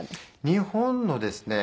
日本のですね